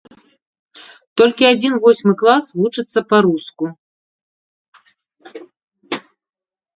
Толькі адзін восьмы клас вучыцца па-руску.